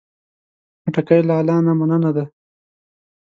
خټکی له الله نه مننه ده.